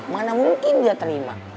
mana mungkin dia terima